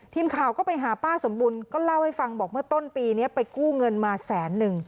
ทีมข่าวก็ไปหาป้าสมบูรณ์ก็เล่าให้ฟังบอกเมื่อต้นปีนี้ไปกู้เงินมาแสนนึง